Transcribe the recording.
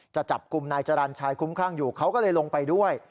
จับกลุ่มนายจรรย์ชายคุ้มครั่งอยู่เขาก็เลยลงไปด้วย